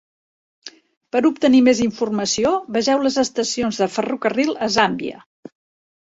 Per obtenir més informació, vegeu les estacions de ferrocarril a Zambia.